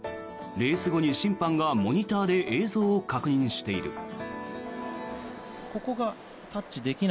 レース後に審判がモニターで映像を確認している。